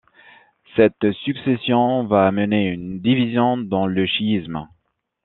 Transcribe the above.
Cette succession va amener une division dans le chiisme.